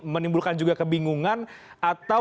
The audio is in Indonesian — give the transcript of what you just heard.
menimbulkan juga kebingungan atau